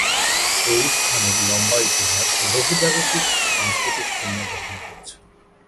এই স্থানের লম্বা ইতিহাস বহুজাতিক সংস্কৃতির চিহ্ন বহন করছে।